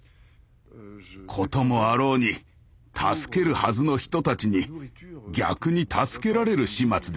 こともあろうに助けるはずの人たちに逆に助けられる始末でした。